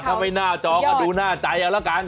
ถ้าไม่หน้าจอก็ดูหน้าใจเอาละกัน